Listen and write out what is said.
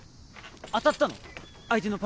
当たったの？